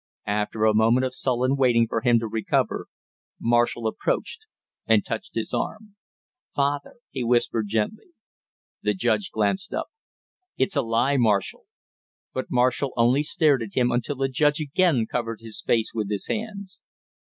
After a moment of sullen waiting for him to recover, Marshall approached and touched him on the arm. "Father " he whispered gently. The judge glanced up. "It's a lie, Marshall!" But Marshall only stared at him until the judge again covered his face with his hands.